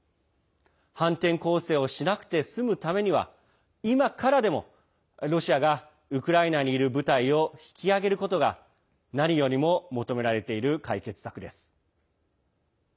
反転攻勢をしなくて済むためには今からでもロシアがウクライナにいる部隊を引き揚げることが何よりも求められている解決策です。